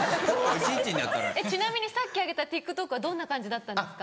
ちなみにさっき上げたＴｉｋＴｏｋはどんな感じだったんですか？